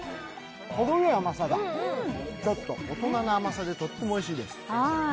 程よい甘さだ、大人の甘さでとってもいいです。